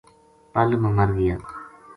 پل ما مر گیا